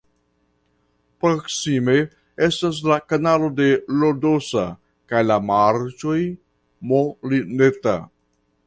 Proksime estas la Kanalo de Lodosa kaj la marĉoj Molineta.